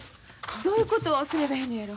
どういうことすればええのやろ？